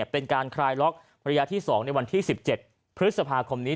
เป็นการคลายล็อกภรรยาที่๒ในวันที่๑๗พฤษภาคมนี้